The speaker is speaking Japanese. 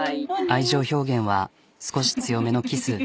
愛情表現は少し強めのキス。